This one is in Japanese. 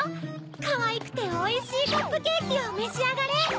かわいくておいしいカップケーキをめしあがれ。